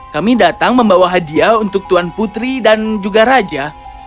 kami datang membawa hadiah untuk tuan putri dan juga raja